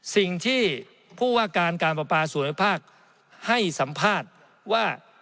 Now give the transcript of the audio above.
สิ่งที่ผู้ว่าการการประปาส่วนภาคให้สัมภาษณ์ว่า